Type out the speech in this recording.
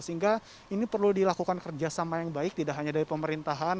sehingga ini perlu dilakukan kerjasama yang baik tidak hanya dari pemerintahan